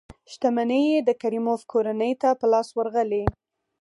شتمنۍ یې د کریموف کورنۍ ته په لاس ورغلې.